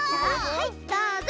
はいどうぞ。